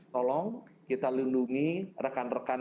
tolong kita lindungi rekan rekan